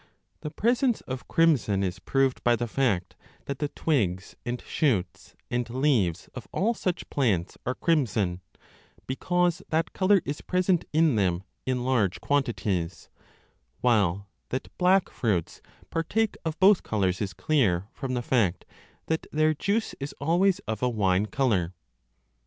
The presence of crimson is proved 5 by the fact that the twigs and shoots 1 and leaves of all such plants 2 are crimson, 3 because that colour is present in them in large quantities ; while that black fruits partake of both colours 4 is clear from the fact that their juice is always of a wine colour.